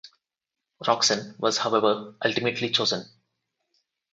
Roxen was however ultimately chosen.